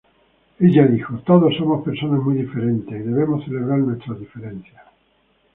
Ella dijo: "Todos somos personas muy diferentes y debemos celebrar nuestras diferencias.